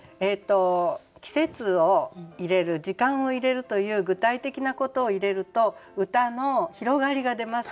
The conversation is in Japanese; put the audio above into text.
季節を入れる時間を入れるという具体的なことを入れると歌の広がりが出ます。